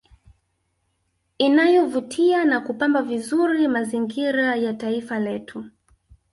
Inayovutia na kupamba vizuri mazingira ya taifa letu